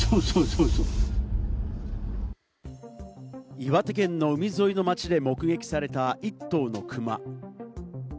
岩手県の海沿いの町で目撃された１頭のクマ。